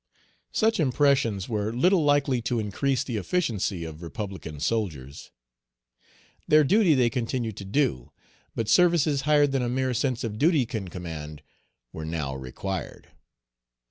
Such impressions were little likely to increase the efficiency of republican soldiers. Their duty they continue to do, but services higher than a mere sense of duty can command, were now required.